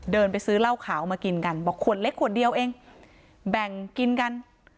เดินไปซื้อเหล้าขาวมากินกันบอกขวดเล็กขวดเดียวเองแบ่งกินกัน